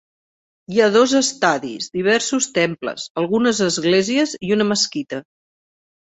Hi ha dos estadis, diversos temples, algunes esglésies i una mesquita.